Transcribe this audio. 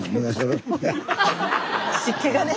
湿気がね。